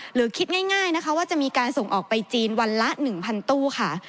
หรือคิดง่ายนะคะว่าจะมีการส่งออกไปจีนวันละ๑๐๐ตู้ค่ะ